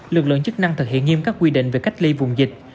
lực lượng chức năng thực hiện nghiêm các quy định về cách ly vùng dịch